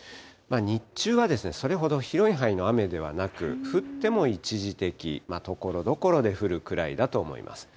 日中はそれほど広い範囲の雨ではなく、降っても一時的、ところどころで降るくらいだと思います。